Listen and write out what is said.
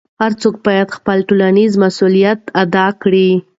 هر څوک باید خپل ټولنیز مسؤلیت ادا کړي.